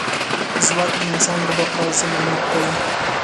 ځواک د انسان د بقا ضمانت دی.